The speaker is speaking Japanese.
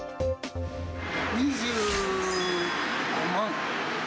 ２５万。